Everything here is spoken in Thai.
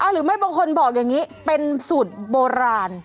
หรือไม่บางคนบอกอย่างนี้เป็นสูตรโบราณ